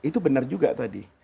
itu benar juga tadi